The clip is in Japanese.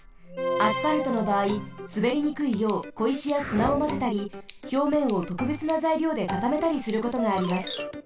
アスファルトのばあいすべりにくいようこいしやすなをまぜたりひょうめんをとくべつなざいりょうでかためたりすることがあります。